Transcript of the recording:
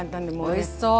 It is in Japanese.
おいしそう。